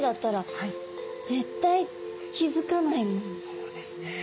そうですね。